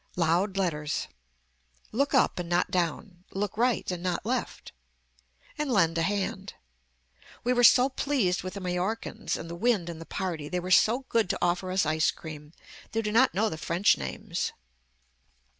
LOUD LETTERS Look up and not down. Look right and not left. And lend a hand. We were so pleased with the Mallorcans and the wind and the party. They were so good to offer us ice cream. They do not know the french names.